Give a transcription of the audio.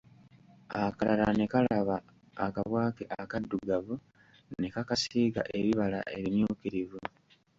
Akalala ne kalaba akabwa ke akaddugavu ne kakasiiga ebibala ebimyukirivu.